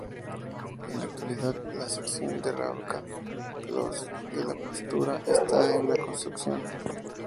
En la actualidad la sección de Ravča–Ploče de la autopista está en construcción.